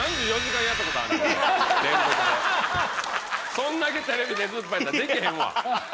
そんだけテレビ出ずっぱりだったらできへんわ！